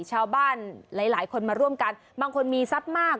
ชาวบ้านหลายคนมาร่วมกันบางคนมีทรัพย์มาก